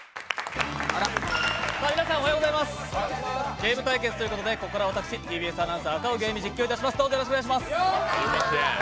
ゲーム対決ということでここから私ＴＢＳアナウンサー赤荻歩が進行していきます。